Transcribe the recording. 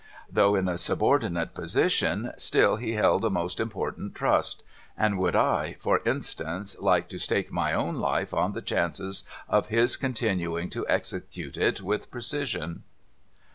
Though in a subordinate position, still he held a most important trust, and M'ould I (for instance) like to stake my own life on the chances of his continuing to execute it with precision?